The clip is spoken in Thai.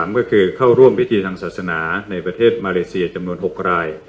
ก็คือเข้าร่วมพิธีทางศาสนาในประเทศมาเลเซียจำนวน๖ราย